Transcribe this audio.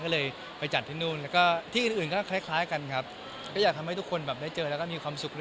ก็เลยไปจัดที่นู่นแล้วก็ที่อื่นอื่นก็คล้ายกันครับก็อยากทำให้ทุกคนแบบได้เจอแล้วก็มีความสุขด้วย